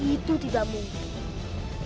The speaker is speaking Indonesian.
itu tidak mungkin